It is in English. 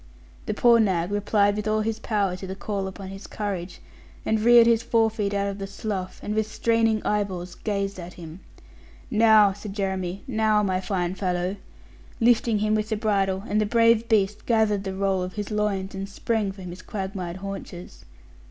The poor nag replied with all his power to the call upon his courage, and reared his forefeet out of the slough, and with straining eyeballs gazed at him. 'Now,' said Jeremy, 'now, my fine fellow!' lifting him with the bridle, and the brave beast gathered the roll of his loins, and sprang from his quagmired haunches.